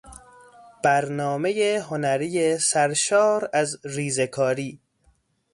برنامهی هنری سرشار از ریزهکاری